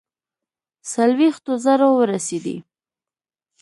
څلوېښتو زرو ورسېدی.